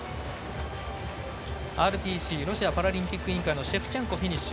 ＲＰＣ＝ロシアパラリンピック委員会のシェフチェンコ、フィニッシュ。